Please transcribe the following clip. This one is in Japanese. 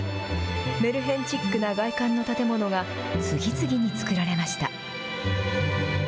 メルヘンチックな外観の建物が次々に造られました。